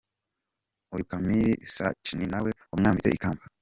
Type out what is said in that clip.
Uyu Camille Cerf ni na we wamwambitse ikamba.